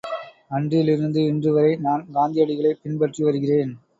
அன்றிலிருந்து இன்றுவரை நான் காந்தியடிகளைப் பின்பற்றி வருகிறேன்.